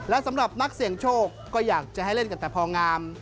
และสำหรับนักเสี่ยงโชคก็อยากจะให้เล่นกันแต่พองาม